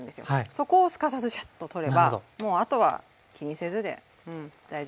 そこをすかさずシャッと取ればもうあとは気にせずで大丈夫です。